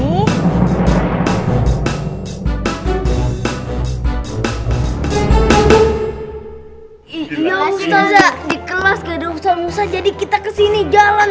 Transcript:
iya ustazah di kelas gak ada usah usah jadi kita kesini jalan